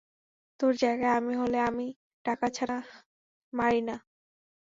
তোর জায়গায় আমি হলে আমি টাকা ছাড়া মারি না।